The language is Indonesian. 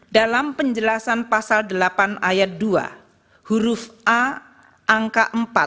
dalam penjelasan pasal delapan ayat dua huruf a angka empat